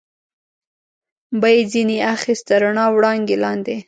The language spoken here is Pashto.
به یې ځنې اخیست، د رڼا وړانګې لاندې.